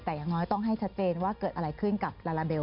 ไม่ต้องให้ชัดเตรียมว่าเกิดอะไรขึ้นกับลาลาเบล